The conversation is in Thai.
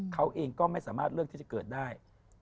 เขาเองก็ไม่สามารถเลือกที่จะเกิดได้